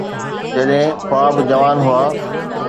جڏهن خواب جوان هئا.